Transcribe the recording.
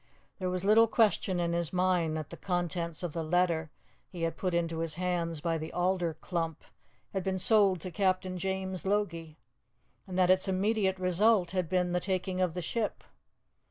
There was little question in his mind that the contents of the letter he had put into his hands by the alder clump had been sold to Captain James Logie, and that its immediate result had been the taking of the ship.